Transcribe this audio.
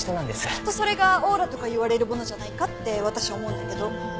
きっとそれがオーラとか言われるものじゃないかって私は思うんだけど。